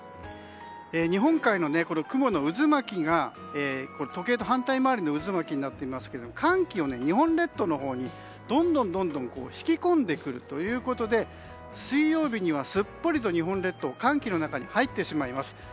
日本海の蜘蛛の渦巻きが時計と反対回りになっていますが寒気を日本列島のほうにどんどん引き込んでくるということで水曜日にはすっぽりと日本列島が寒気の中に入ってしまいます。